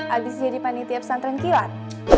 abis jadi panitia pesantren kilat